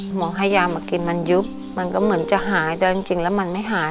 หมอให้ยามากินมันยุบมันก็เหมือนจะหายแต่จริงแล้วมันไม่หาย